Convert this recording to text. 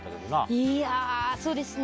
いやー、そうですね。